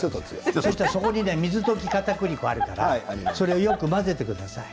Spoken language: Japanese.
そしたら、そこに水溶きかたくり粉があるからそれをよく混ぜてください。